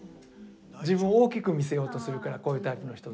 自分を大きく見せようとするからこういうタイプの人って。